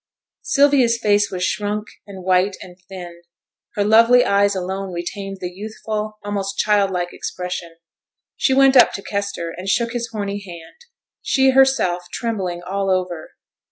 Sylvia's face was shrunk, and white, and thin; her lovely eyes alone retained the youthful, almost childlike, expression. She went up to Kester, and shook his horny hand, she herself trembling all over.